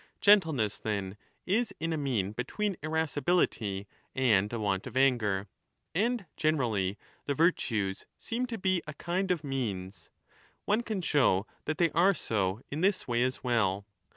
Gentleness, then, is in a mean between irascibility and a want of anger. And generally 25 the virtues seem to be a kind of means. One can show that they are so in this way as well.